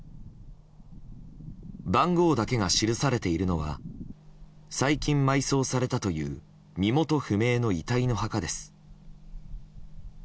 番号だけが記されているのは最近、埋葬されたという身元不明の遺体の墓です。